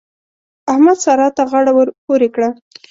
احمد؛ سارا ته غاړه ور پورې کړه.